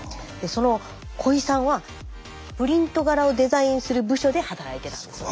小井さんはプリント柄をデザインする部署で働いてたんだそうです。